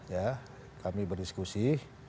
ya kami berdiskusi